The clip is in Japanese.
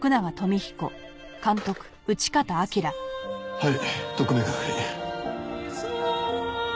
はい特命係。